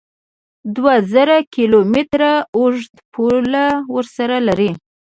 دوه زره کیلو متره اوږده پوله ورسره لري